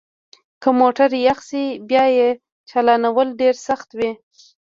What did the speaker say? که موټر یخ شي بیا یې چالانول ډیر سخت وي